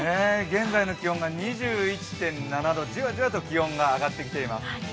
現在の気温が２１．７度、じわじわと気温が上がってきています。